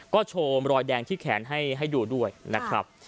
ก็โชว์รอยแดงที่แขนให้ดูด้วยนะครับ